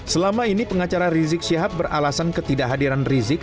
selama ini pengacara rizik syihab beralasan ketidakhadiran rizik